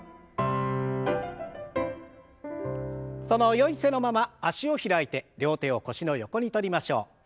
そのよい姿勢のまま脚を開いて両手を腰の横にとりましょう。